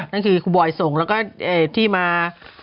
นั่นคือครูบอยส่งแล้วก็ที่มา